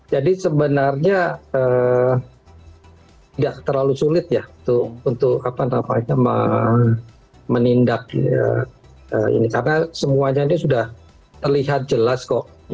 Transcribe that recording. jadi sebenarnya tidak terlalu sulit untuk menindak karena semuanya ini sudah terlihat jelas kok